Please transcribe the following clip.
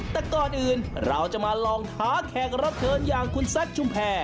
แต่ก่อนอื่นเราจะมาลองท้าแขกรับเชิญอย่างคุณแซคชุมแพร